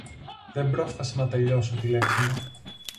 Δεν πρόφθασα να τελειώσω τη λέξη μου